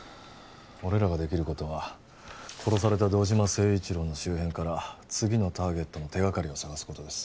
俺らができることは殺された堂島誠一郎の周辺から次のターゲットの手がかりを探すことです